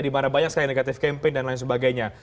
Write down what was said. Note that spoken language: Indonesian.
dimana banyak sekali negatif campaign dan lain sebagainya